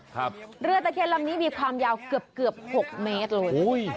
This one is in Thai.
เรือตะเคียนลำนี้มีความยาวเกือบเกือบหกเมตรเลย